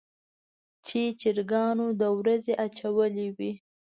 چې چرګانو د ورځې اچولې وي.